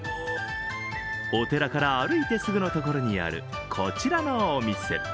お寺から歩いてすぐのところにあるこちらのお店。